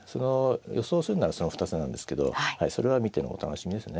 予想するならその２つなんですけどはいそれは見てのお楽しみですね。